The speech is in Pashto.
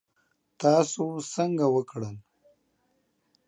تاسو څنګه وکړل؟